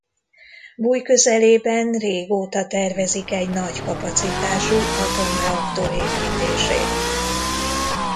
Buj közelében régóta tervezik egy nagy kapacitású atomreaktor építését.